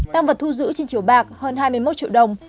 tàng vật thu giữ trên chiều bạc hơn hai mươi một triệu đồng